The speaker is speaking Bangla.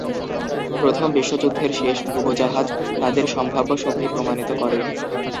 প্রথম বিশ্বযুদ্ধের শেষ ডুবোজাহাজ তাদের সম্ভাব্য শক্তি প্রমাণিত করে।